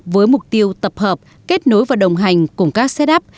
với mục tiêu tập hợp kết nối và đồng hành cùng các setup